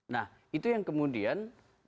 nah itu yang kemudian